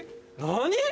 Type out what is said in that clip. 何？